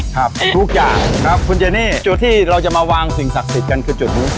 ครับทุกอย่างครับคุณเจเน่จุดที่เราจะมาวางสิ่งศักดิ์สิทธิ์กันคือจุดนู้น